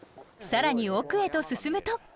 更に奥へと進むと。